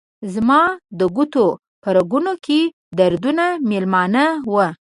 زما د ګوتو په رګونو کې دردونه میلمانه وه